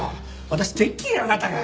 私てっきりあなたが。